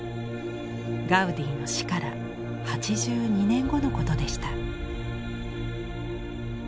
ガウディの死から８２年後のことでした。